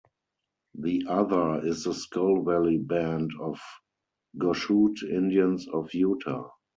The other is the Skull Valley Band of Goshute Indians of Utah.